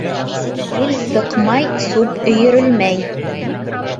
Ел сыҡмай сүп өйөрөлмәй.